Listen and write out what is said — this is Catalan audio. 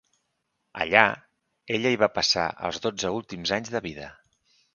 Allà, ella hi va passar els dotze últims anys de vida.